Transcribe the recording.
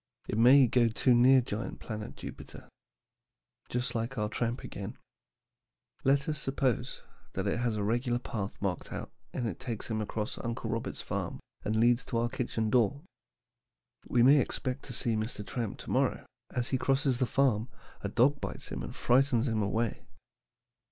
It may go too near giant planet Jupiter. Just like our tramp again. Let us suppose he has a regular path marked out and it takes him across Uncle Robert's farm and leads to our kitchen door. We may expect to see Mr. Tramp to morrow, but as he crosses the farm a dog bites him and frightens him away.